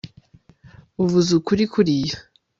uvuze ukuri kuriya